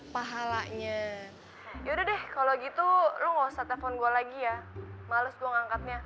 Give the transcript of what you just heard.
pahalanya yaudah deh kalau gitu lu ngosot telepon gua lagi ya males dong angkatnya